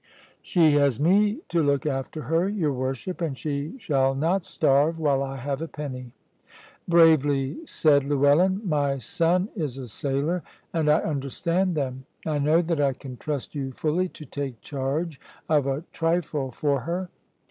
"She has me to look after her, your worship, and she shall not starve while I have a penny." "Bravely said, Llewellyn! My son is a sailor, and I understand them. I know that I can trust you fully to take charge of a trifle for her."